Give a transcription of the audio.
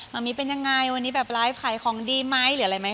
มะมิเป็นยังไงวันนี้แบบไลฟ์ขายของดีไหมหรืออะไรไหม